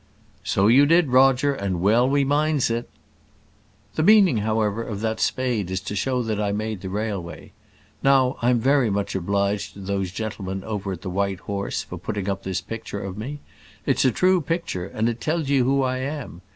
"So you did, Roger, and well we minds it." "The meaning, however, of that spade is to show that I made the railway. Now I'm very much obliged to those gentlemen over at the White Horse for putting up this picture of me. It's a true picture, and it tells you who I am.